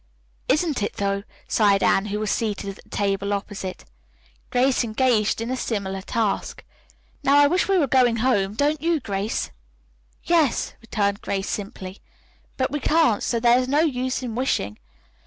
"Isn't it, though?" sighed Anne, who was seated at the table opposite Grace, engaged in a similar task. "Now I wish we were going home, don't you, Grace?" "Yes," returned Grace simply. "But we can't, so there is no use in wishing.